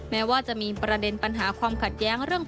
แม้ว่าจะมีประเด็นปัญหาความขัดแย้งเรื่อง